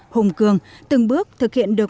hùng cường từng bước thực hiện được